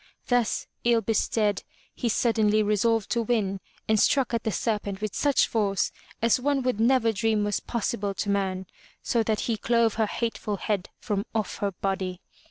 Thus, ill bestead, he suddenly resolved to win, and struck at the serpent with such force as one would never dream was possible to man, so that he clove her hateful head from off her body.